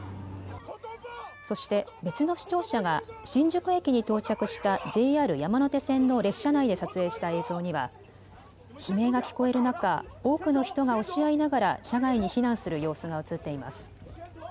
そして別の視聴者が新宿駅に到着したＪＲ山手線の列車内で撮影した映像には悲鳴が聞こえる中、多くの人が押し合いながら車外に避難する様子が映っています。